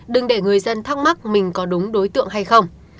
đừng để người dân thắc mắc mình có đúng đối tượng hay không